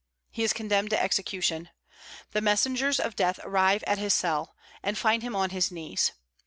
He is condemned to execution. The messengers of death arrive at his cell, and find him on his knees.